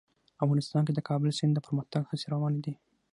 افغانستان کې د کابل سیند د پرمختګ هڅې روانې دي.